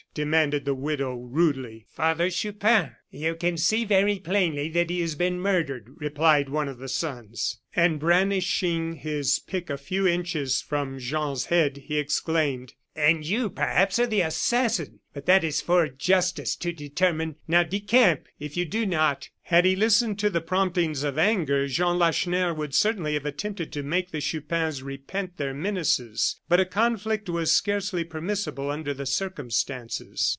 demanded the widow, rudely. "Father Chupin." "You can see very plainly that he has been murdered," replied one of the sons. And brandishing his pick a few inches from Jean's head, he exclaimed: "And you, perhaps, are the assassin. But that is for justice to determine. Now, decamp; if you do not " Had he listened to the promptings of anger, Jean Lacheneur would certainly have attempted to make the Chupins repent their menaces. But a conflict was scarcely permissible under the circumstances.